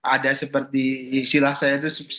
ada seperti istilah saya itu